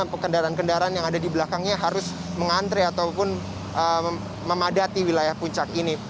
maka kendaraan kendaraan yang ada di belakangnya harus mengantre ataupun memadati wilayah puncak ini